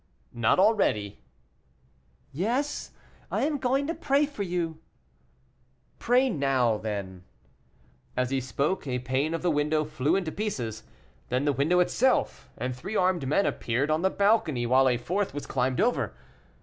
"Not already." "Yes, I am going to pray for you." "Pray now, then." As he spoke, a pane of the window flew into pieces, then the window itself, and three armed men appeared on the balcony while a fourth was climbing over.